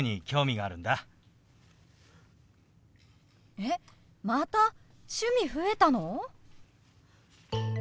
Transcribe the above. えっまた趣味増えたの！？